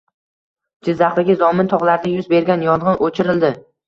Jizzaxdagi Zomin tog‘larida yuz bergan yong‘in o‘chirildi